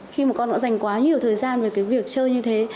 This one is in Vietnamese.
khi mà con đã dành quá nhiều thời gian về cái việc chơi như thế